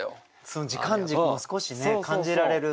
その時間軸も少しね感じられる。